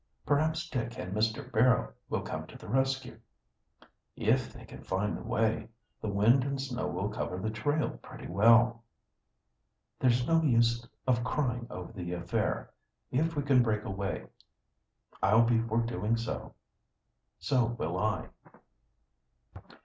"Perhaps Dick and Mr. Barrow will come to the rescue." "If they can find the way. The wind and snow will cover the trail pretty well." "There's no use of crying over the affair. If we can break away, I'll be for doing so." "So will I."